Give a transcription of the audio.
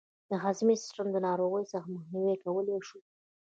د هضمي سیستم له ناروغیو څخه مخنیوی کولای شو.